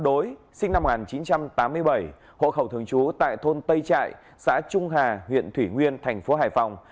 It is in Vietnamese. đối sinh năm một nghìn chín trăm tám mươi bảy hộ khẩu thường chú tại thôn tây trại xã trung hà huyện thủy nguyên tp hải phòng